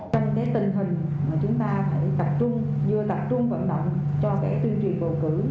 trong cái tình hình mà chúng ta phải tập trung như tập trung vận động cho cái tuyên truyền bầu cử